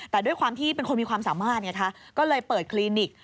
แต่ด้วยความที่เป็นคนมีความสามารถไงคะก็เลยเปิดคลินิก